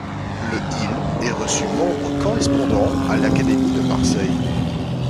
Le il est reçu membre correspondant à l' Académie de Marseille.